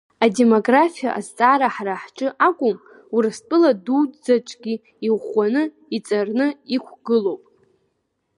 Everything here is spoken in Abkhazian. Адемографиа азҵаара ҳара ҳҿы акәым, Урыстәыла дуӡӡаҿгьы иӷәӷәаны, иҵарны иқәгылоуп.